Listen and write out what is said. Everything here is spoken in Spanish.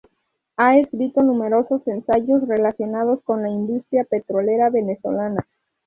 Ha escrito numerosos ensayos relacionados con la industria petrolera venezolana.